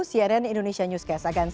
cnn indonesia newscast akan